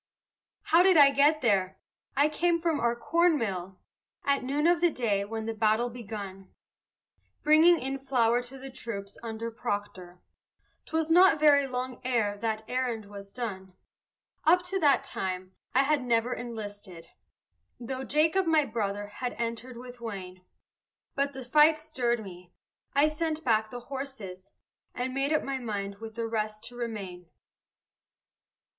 How did I get there? I came from our corn mill At noon of the day when the battle begun, Bringing in flour to the troops under Proctor; 'Twas not very long ere that errand was done. Up to that time I had never enlisted, Though Jacob, my brother, had entered with Wayne; But the fight stirred me; I sent back the horses, And made up my mind with the rest to remain.